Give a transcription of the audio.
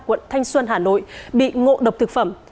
quận thanh xuân hà nội bị ngộ độc thực phẩm